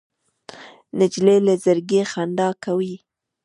نجلۍ له زړګي خندا کوي.